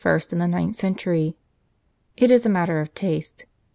in the ninth century. It is a matter of taste.